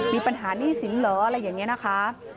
มีปัญหาหนี้สินเหรออะไรอย่างนี้นะคะ